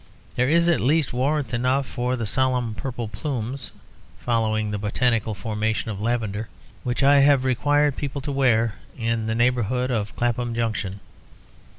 There is at least warrant enough for the solemn purple plumes (following the botanical formation of lavender) which I have required people to wear in the neighbourhood of Clapham Junction.